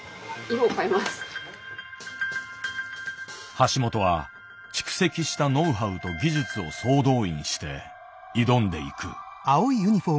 橋本は蓄積したノウハウと技術を総動員して挑んでいく。